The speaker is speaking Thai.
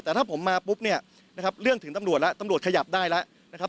แต่ถ้าผมมาปุ๊บเนี่ยนะครับเรื่องถึงตำรวจแล้วตำรวจขยับได้แล้วนะครับ